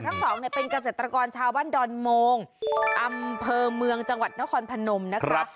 ทั้งสองเป็นเกษตรกรชาวบ้านดอนโมงอำเภอเมืองจังหวัดนครพนมนะคะ